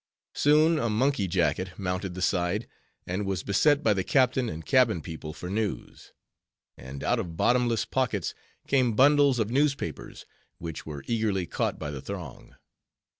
Soon a monkey jacket mounted the side, and was beset by the captain and cabin people for news. And out of bottomless pockets came bundles of newspapers, which were eagerly caught by the throng.